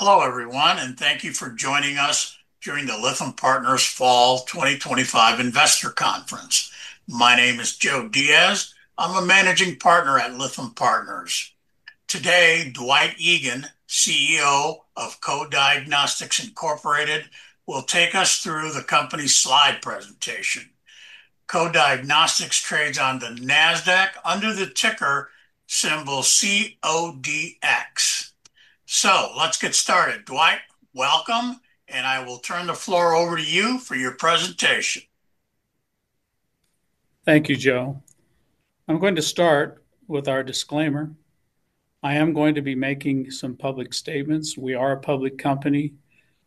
Hello everyone, and thank you for joining us during the Lytham Partners Fall 2025 Investor Conference. My name is Joe Diaz. I'm a Managing Partner at Lytham Partners. Today, Dwight Egan, CEO of Co-Diagnostics, Inc., will take us through the company slide presentation. Co-Diagnostics trades on the NASDAQ under the ticker symbol CODX. Let's get started. Dwight, welcome, and I will turn the floor over to you for your presentation. Thank you, Joe. I'm going to start with our disclaimer. I am going to be making some public statements. We are a public company,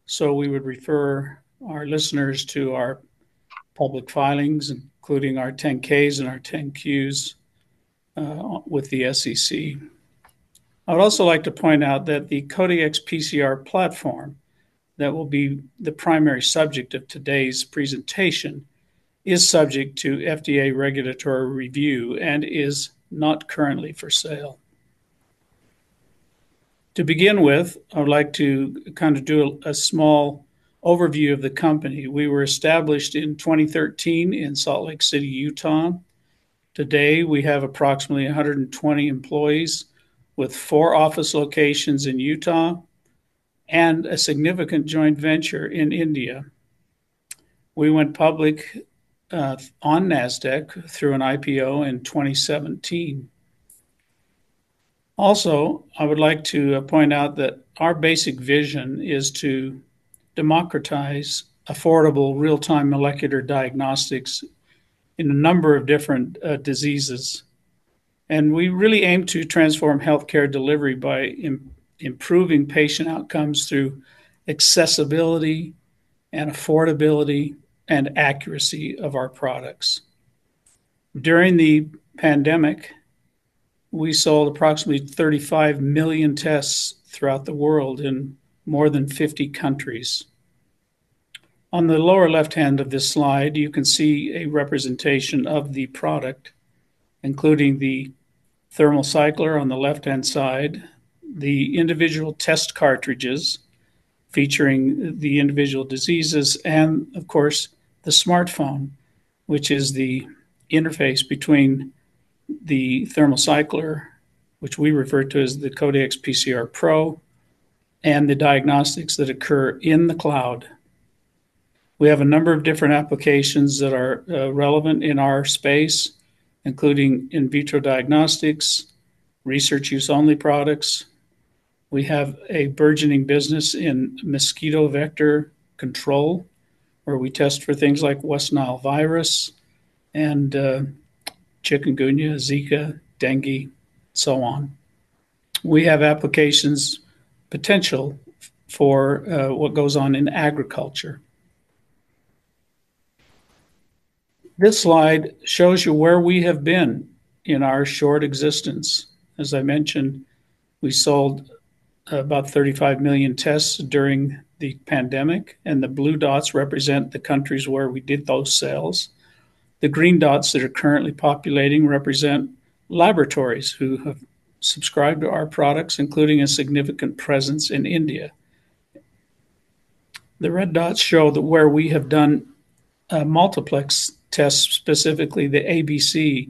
so we would refer our listeners to our public filings, including our 10-Ks and our 10-Qs with the SEC. I would also like to point out that the CODX PCR platform, that will be the primary subject of today's presentation, is subject to FDA regulatory review and is not currently for sale. To begin with, I would like to kind of do a small overview of the company. We were established in 2013 in Salt Lake City, Utah. Today, we have approximately 120 employees with four office locations in Utah and a significant joint venture in India. We went public on NASDAQ through an IPO in 2017. I would also like to point out that our basic vision is to democratize affordable real-time molecular diagnostics in a number of different diseases. We really aim to transform healthcare delivery by improving patient outcomes through accessibility, affordability, and accuracy of our products. During the pandemic, we sold approximately 35 million tests throughout the world in more than 50 countries. On the lower left hand of this slide, you can see a representation of the product, including the thermal cycler on the left-hand side, the individual test cartridges featuring the individual diseases, and of course, the smartphone, which is the interface between the thermal cycler, which we refer to as the CODX PCR Pro, and the diagnostics that occur in the cloud. We have a number of different applications that are relevant in our space, including in vitro diagnostics, research use-only products. We have a burgeoning business in mosquito vector control, where we test for things like West Nile virus and chikungunya, Zika, dengue, and so on. We have applications potential for what goes on in agriculture. This slide shows you where we have been in our short existence. As I mentioned, we sold about 35 million tests during the pandemic, and the blue dots represent the countries where we did those sales. The green dots that are currently populating represent laboratories who have subscribed to our products, including a significant presence in India. The red dots show where we have done multiplex tests, specifically the ABC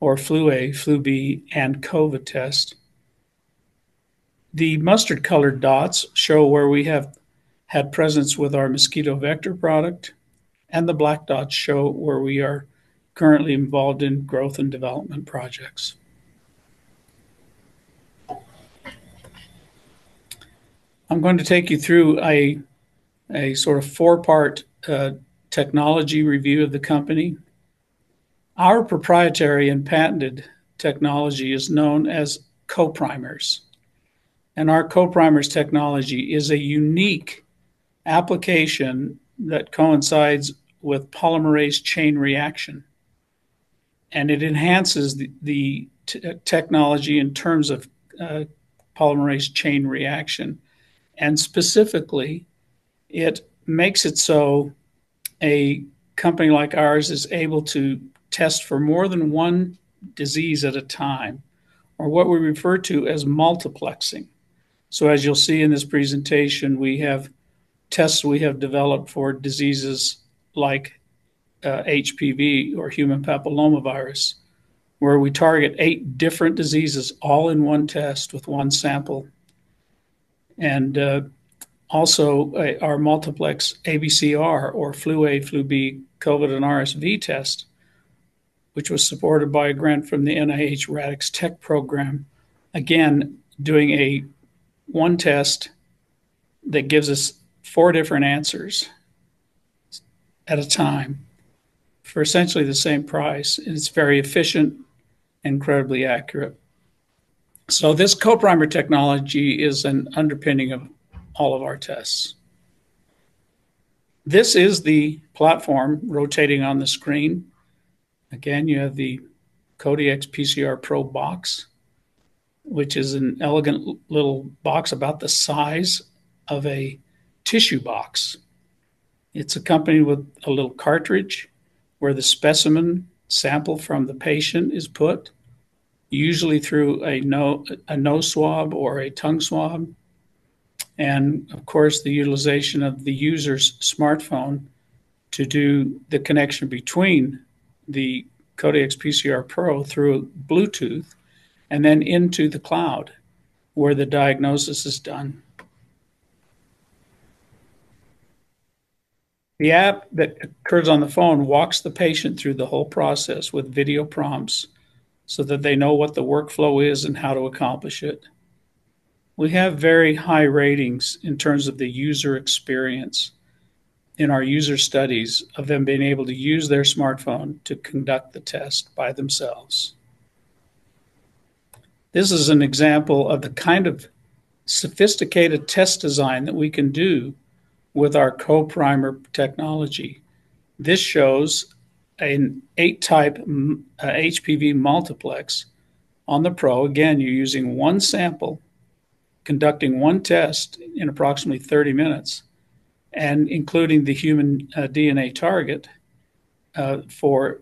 or flu A, flu B, and COVID-19 tests. The mustard-colored dots show where we have had presence with our mosquito vector product, and the black dots show where we are currently involved in growth and development projects. I'm going to take you through a sort of four-part technology review of the company. Our proprietary and patented technology is known as CoPrimers, and our CoPrimers technology is a unique application that coincides with polymerase chain reaction. It enhances the technology in terms of polymerase chain reaction, and specifically, it makes it so a company like ours is able to test for more than one disease at a time, or what we refer to as multiplexing. As you'll see in this presentation, we have tests we have developed for diseases like HPV or human papillomavirus, where we target eight different diseases all in one test with one sample. Also, our multiplex ABCR- flu A/B/COVID-19/RSV panel, which was supported by a grant from the National Institutes of Health's RADx Tech program, again doing one test that gives us four different answers at a time for essentially the same price, and it's very efficient and incredibly accurate. This CoPrimers technology is an underpinning of all of our tests. This is the platform rotating on the screen. You have the CODX PCR Pro box, which is an elegant little box about the size of a tissue box. It's accompanied with a little cartridge where the specimen sample from the patient is put, usually through a nose swab or a tongue swab. The utilization of the user's smartphone does the connection between the CODX PCR Pro through Bluetooth and then into the cloud where the diagnosis is done. The app that occurs on the phone walks the patient through the whole process with video prompts so that they know what the workflow is and how to accomplish it. We have very high ratings in terms of the user experience in our user studies of them being able to use their smartphone to conduct the test by themselves. This is an example of the kind of sophisticated test design that we can do with our CoPrimers technology. This shows an HPV eight-type multiplex panel on the Pro. You're using one sample, conducting one test in approximately 30 minutes, and including the human DNA target for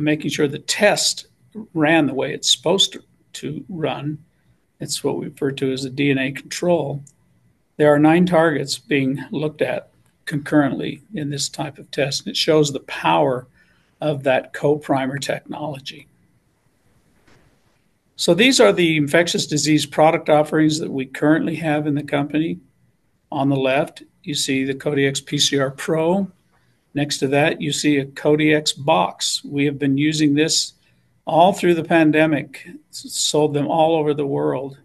making sure the test ran the way it's supposed to run. It's what we refer to as a DNA control. There are nine targets being looked at concurrently in this type of test, and it shows the power of that CoPrimers technology. These are the infectious disease product offerings that we currently have in the company. On the left, you see the CODX PCR Pro. Next to that, you see a CODX box. We have been using this all through the pandemic, sold them all over the world,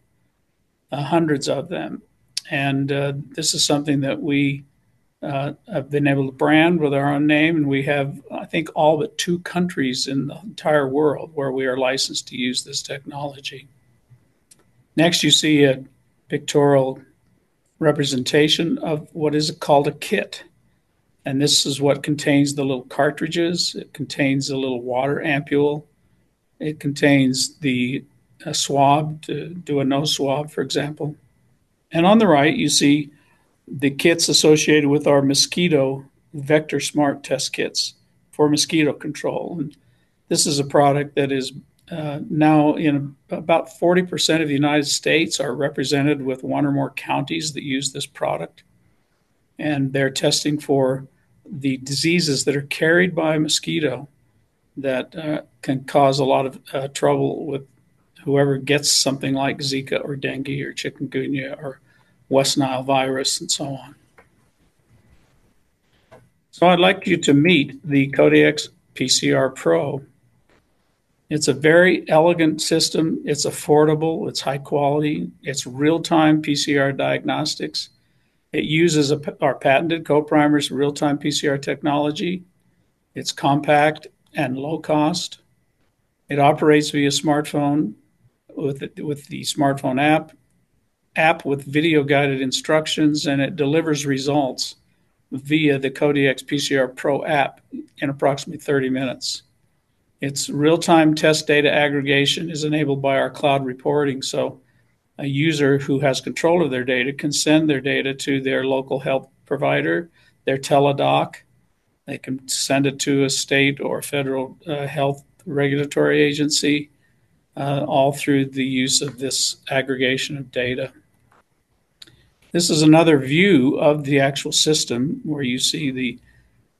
hundreds of them. This is something that we have been able to brand with our own name, and we have, I think, all but two countries in the entire world where we are licensed to use this technology. Next, you see a pictorial representation of what is called a kit, and this is what contains the little cartridges. It contains a little water ampoule. It contains the swab to do a nose swab, for example. On the right, you see the kits associated with our mosquito vector smart test kits for mosquito control. This is a product that is now in about 40% of the United States are represented with one or more counties that use this product, and they're testing for the diseases that are carried by mosquito that can cause a lot of trouble with whoever gets something like Zika or dengue or chikungunya or West Nile virus and so on. I'd like you to meet the CODX PCR Pro. It's a very elegant system. It's affordable. It's high quality. It's real-time PCR diagnostics. It uses our patented CoPrimers real-time PCR technology. It's compact and low cost. It operates via smartphone with the smartphone app, app with video guided instructions, and it delivers results via the CODX PCR Pro app in approximately 30 minutes. Its real-time test data aggregation is enabled by our cloud reporting, so a user who has control of their data can send their data to their local health provider, their Teladoc. They can send it to a state or federal health regulatory agency all through the use of this aggregation of data. This is another view of the actual system where you see the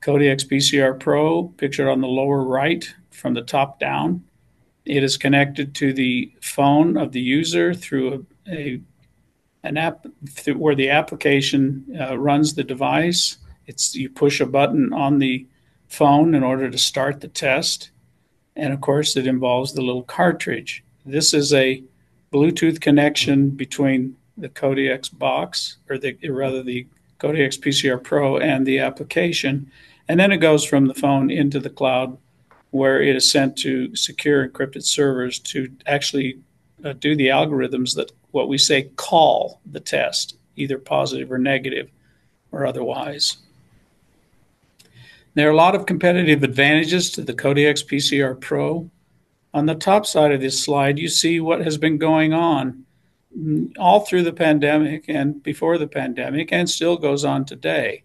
CODX PCR Pro pictured on the lower right from the top down. It is connected to the phone of the user through an app where the application runs the device. You push a button on the phone in order to start the test, and of course, it involves the little cartridge. This is a Bluetooth connection between the CODX box, or rather the CODX PCR Pro and the application, and then it goes from the phone into the cloud where it is sent to secure encrypted servers to actually do the algorithms that what we say call the test, either positive or negative or otherwise. There are a lot of competitive advantages to the CODX PCR Pro. On the top side of this slide, you see what has been going on all through the pandemic and before the pandemic and still goes on today,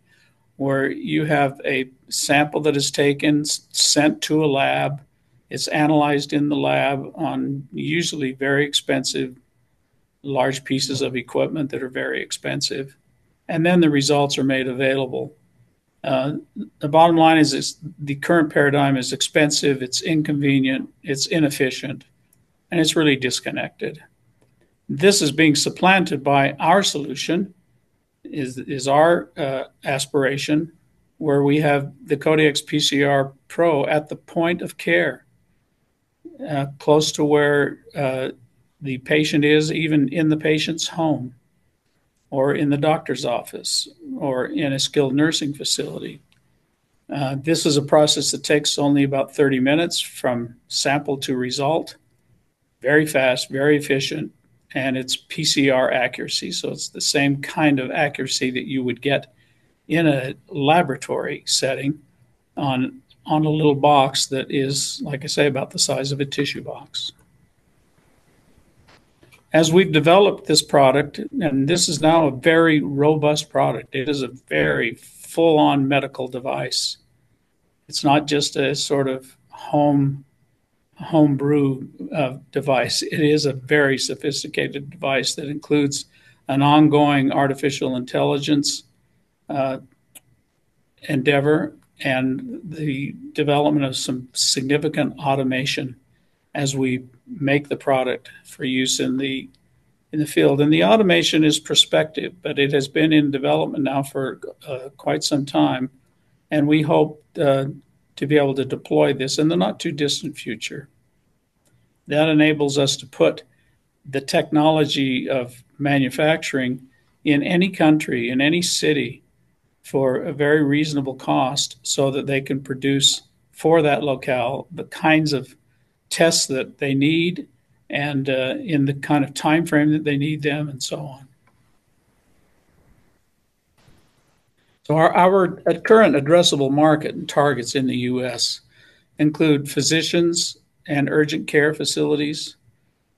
where you have a sample that is taken, sent to a lab, is analyzed in the lab on usually very expensive, large pieces of equipment that are very expensive, and then the results are made available. The bottom line is the current paradigm is expensive, it's inconvenient, it's inefficient, and it's really disconnected. This is being supplanted by our solution, is our aspiration, where we have the CODX PCR Pro at the point of care, close to where the patient is, even in the patient's home or in the doctor's office or in a skilled nursing facility. This is a process that takes only about 30 minutes from sample to result, very fast, very efficient, and it's PCR accuracy, so it's the same kind of accuracy that you would get in a laboratory setting on a little box that is, like I say, about the size of a tissue box. As we've developed this product, and this is now a very robust product, it is a very full-on medical device. It's not just a sort of home-brew device. It is a very sophisticated device that includes an ongoing artificial intelligence endeavor and the development of some significant automation as we make the product for use in the field. The automation is prospective, but it has been in development now for quite some time, and we hope to be able to deploy this in the not-too-distant future. That enables us to put the technology of manufacturing in any country, in any city, for a very reasonable cost so that they can produce for that locale the kinds of tests that they need and in the kind of timeframe that they need them and so on. Our current addressable market and targets in the U.S. include physicians and urgent care facilities.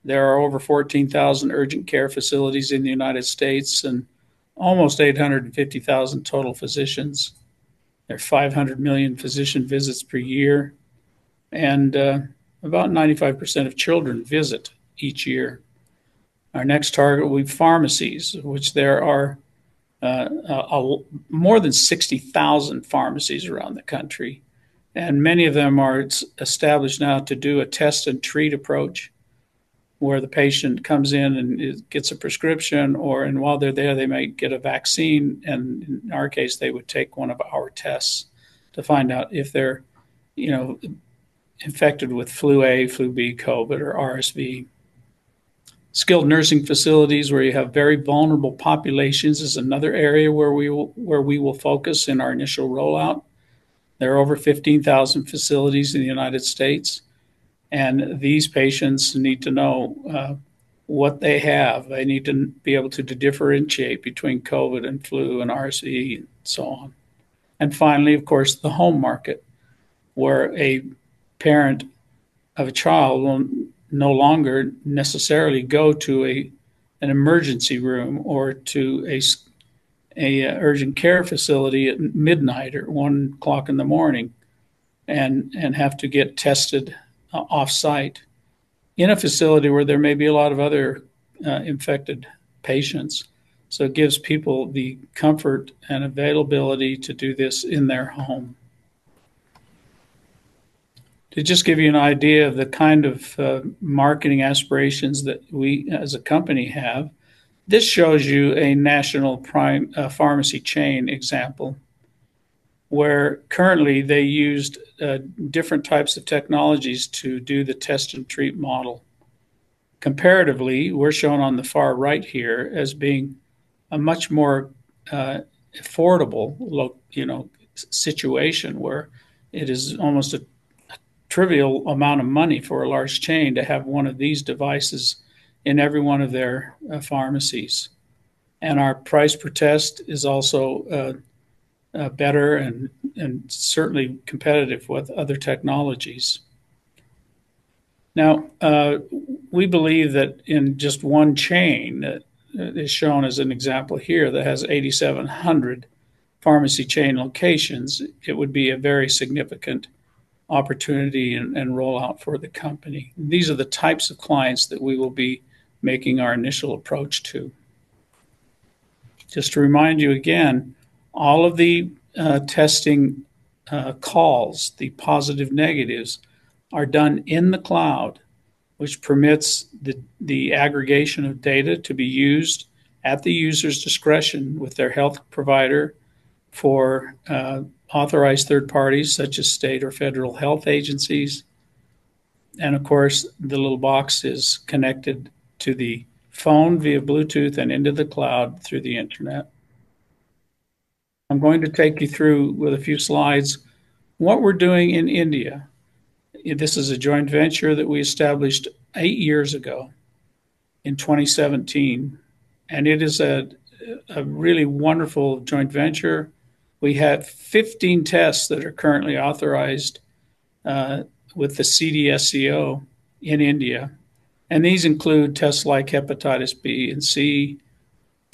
There are over 14,000 urgent care facilities in the United States and almost 850,000 total physicians. There are 500 million physician visits per year, and about 95% of children visit each year. Our next target will be pharmacies, which there are more than 60,000 pharmacies around the country, and many of them are established now to do a test and treat approach where the patient comes in and gets a prescription, or while they're there, they may get a vaccine, and in our case, they would take one of our tests to find out if they're infected with flu A, flu B, COVID, or RSV. Skilled nursing facilities where you have very vulnerable populations is another area where we will focus in our initial rollout. There are over 15,000 facilities in the United States, and these patients need to know what they have. They need to be able to differentiate between COVID and flu and RSV and so on. Finally, of course, the home market where a parent of a child will no longer necessarily go to an emergency room or to an urgent care facility at midnight or 1:00 A.M. and have to get tested off-site in a facility where there may be a lot of other infected patients. It gives people the comfort and availability to do this in their home. To just give you an idea of the kind of marketing aspirations that we as a company have, this shows you a national pharmacy chain example where currently they use different types of technologies to do the test and treat model. Comparatively, we're shown on the far right here as being a much more affordable situation where it is almost a trivial amount of money for a large chain to have one of these devices in every one of their pharmacies. Our price per test is also better and certainly competitive with other technologies. We believe that in just one chain that is shown as an example here that has 8,700 pharmacy chain locations, it would be a very significant opportunity and rollout for the company. These are the types of clients that we will be making our initial approach to. Just to remind you again, all of the testing calls, the positive negatives, are done in the cloud, which permits the aggregation of data to be used at the user's discretion with their health provider for authorized third parties such as state or federal health agencies. The little box is connected to the phone via Bluetooth and into the cloud through the internet. I'm going to take you through with a few slides what we're doing in India. This is a joint venture that we established eight years ago in 2017, and it is a really wonderful joint venture. We have 15 tests that are currently authorized with the CDSCO in India, and these include tests like hepatitis B and C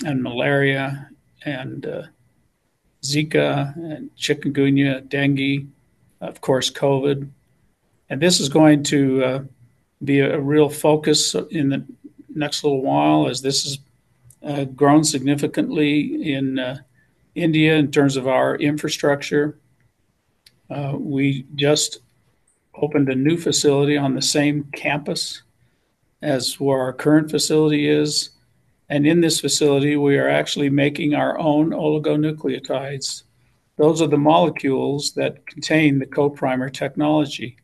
and malaria and Zika and chikungunya, dengue, of course, COVID. This is going to be a real focus in the next little while as this has grown significantly in India in terms of our infrastructure. We just opened a new facility on the same campus as where our current facility is, and in this facility, we are actually making our own oligonucleotides. Those are the molecules that contain the CoPrimer technology.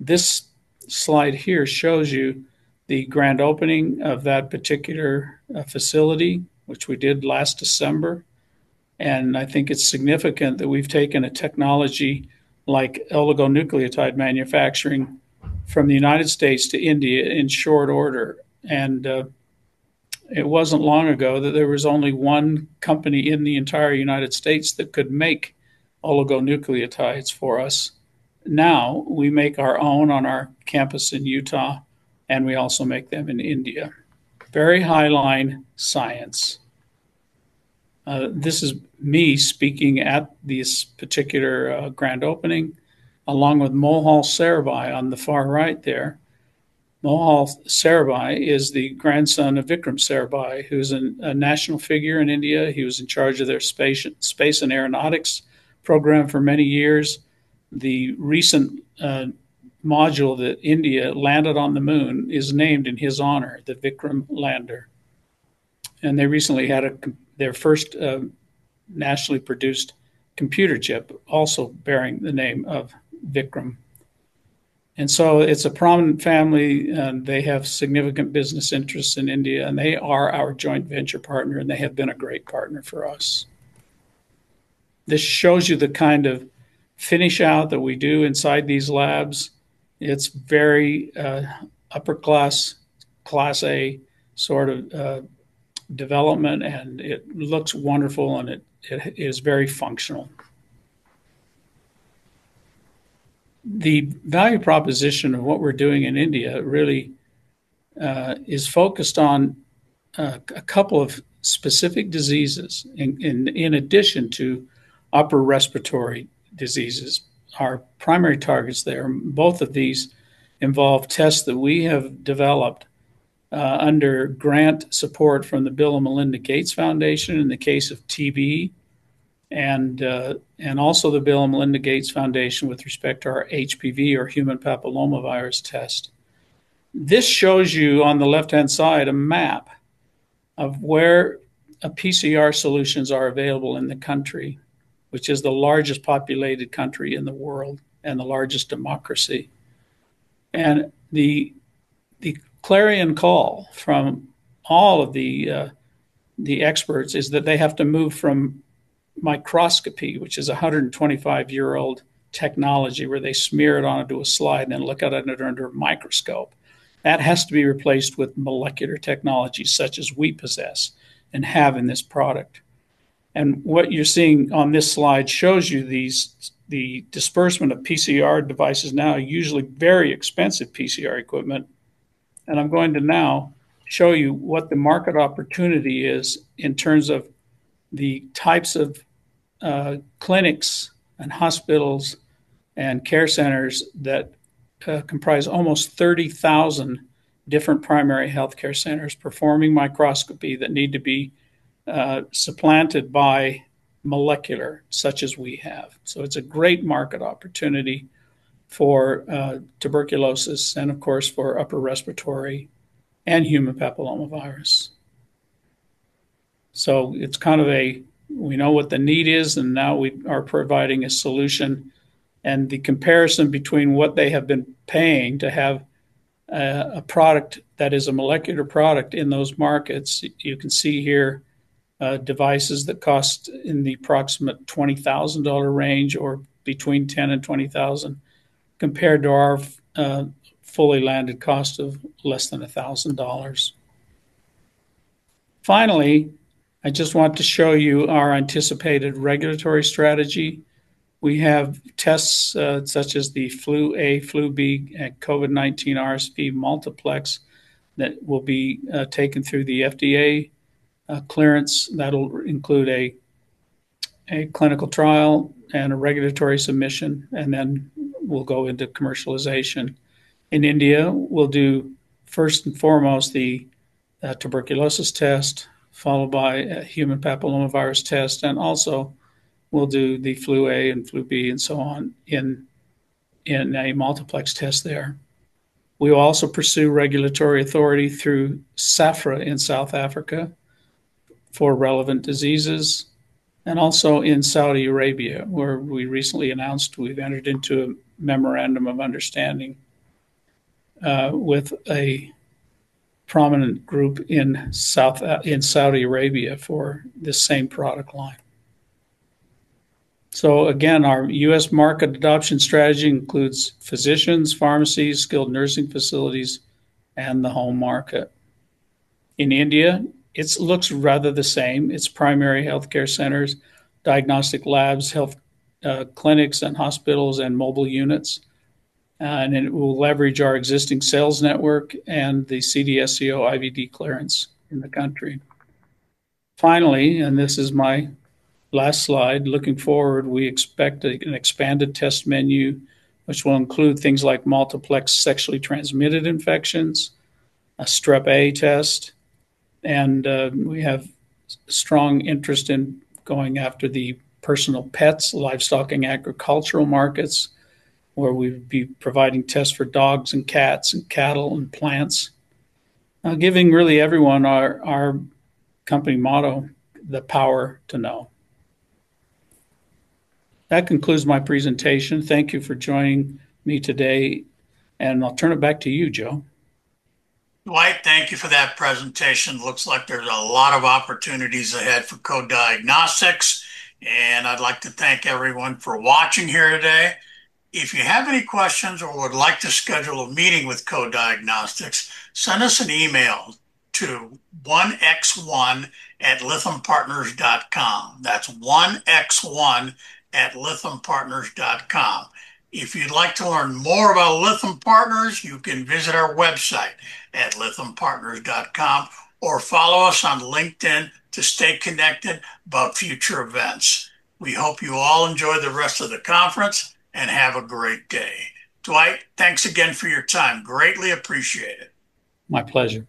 This slide here shows you the grand opening of that particular facility, which we did last December, and I think it's significant that we've taken a technology like oligonucleotide manufacturing from the United States to India in short order. It wasn't long ago that there was only one company in the entire United States that could make oligonucleotides for us. Now we make our own on our campus in Utah, and we also make them in India. Very high line science. This is me speaking at this particular grand opening along with Mohal Sarabhai on the far right there. Mohal Sarabhai is the grandson of Vikram Sarabhai, who's a national figure in India. He was in charge of their space and aeronautics program for many years. The recent module that India landed on the moon is named in his honor, the Vikram Lander. They recently had their first nationally produced computer chip, also bearing the name of Vikram. It's a prominent family, and they have significant business interests in India, and they are our joint venture partner, and they have been a great partner for us. This shows you the kind of finish out that we do inside these labs. It's very upper class, class A sort of development, and it looks wonderful, and it is very functional. The value proposition of what we're doing in India really is focused on a couple of specific diseases in addition to upper respiratory diseases. Our primary targets there, both of these involve tests that we have developed under grant support from the Bill & Melinda Gates Foundation in the case of TB and also the Bill & Melinda Gates Foundation with respect to our HPV or human papillomavirus test. This shows you on the left-hand side a map of where PCR solutions are available in the country, which is the largest populated country in the world and the largest democracy. The clarion call from all of the experts is that they have to move from microscopy, which is a 125-year-old technology where they smear it onto a slide and look at it under a microscope. That has to be replaced with molecular technology such as we possess and have in this product. What you're seeing on this slide shows you the disbursement of PCR devices, now usually very expensive PCR equipment. I'm going to now show you what the market opportunity is in terms of the types of clinics and hospitals and care centers that comprise almost 30,000 different primary health care centers performing microscopy that need to be supplanted by molecular such as we have. It's a great market opportunity for tuberculosis and, of course, for upper respiratory and human papillomavirus. We know what the need is and now we are providing a solution. The comparison between what they have been paying to have a product that is a molecular product in those markets, you can see here devices that cost in the approximate $20,000 range or between $10,000 and $20,000 compared to our fully landed cost of less than $1,000. Finally, I just want to show you our anticipated regulatory strategy. We have tests such as the flu A, flu B, and COVID/RSV multiplex that will be taken through the FDA clearance. That'll include a clinical trial and a regulatory submission, and then we'll go into commercialization. In India, we'll do first and foremost the tuberculosis test, followed by a human papillomavirus test, and also we'll do the flu A and flu B and so on in a multiplex test there. We will also pursue regulatory authority through SAFRA in South Africa for relevant diseases and also in Saudi Arabia, where we recently announced we've entered into a memorandum of understanding with a prominent group in Saudi Arabia for this same product line. Again, our U.S. market adoption strategy includes physicians, pharmacies, skilled nursing facilities, and the home market. In India, it looks rather the same. It's primary health care centers, diagnostic labs, health clinics and hospitals, and mobile units. It will leverage our existing sales network and the CDSCO IVD clearance in the country. Finally, and this is my last slide, looking forward, we expect an expanded test menu, which will include things like multiplex sexually transmitted infections, a strep A test, and we have a strong interest in going after the personal pets, livestock, and agricultural markets, where we'd be providing tests for dogs and cats and cattle and plants, giving really everyone our company motto, the power to know. That concludes my presentation. Thank you for joining me today, and I'll turn it back to you, Joe. Dwight, thank you for that presentation. Looks like there's a lot of opportunities ahead for Co-Diagnostics, and I'd like to thank everyone for watching here today. If you have any questions or would like to schedule a meeting with Co-Diagnostics, send us an email to 1x1@lythampartners.com. That's 1x1@lythampartners.com. If you'd like to learn more about Lytham Partners, you can visit our website at lythampartners.com or follow us on LinkedIn to stay connected about future events. We hope you all enjoy the rest of the conference and have a great day. Dwight, thanks again for your time. Greatly appreciate it. My pleasure.